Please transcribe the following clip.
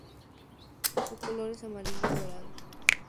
Su color es amarillo dorado.